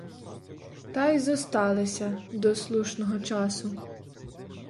Та й зосталися — до слушного часу!!